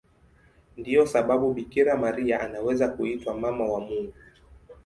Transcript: Ndiyo sababu Bikira Maria anaweza kuitwa Mama wa Mungu.